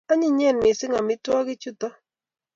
Anyinyen mising' amitwogik chuto